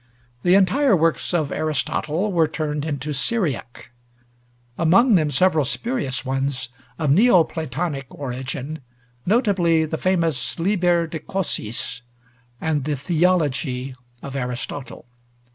The entire works of Aristotle were turned into Syriac; among them several spurious ones of Neo Platonic origin, notably the famous 'Liber de Causis' and the 'Theology of Aristotle.'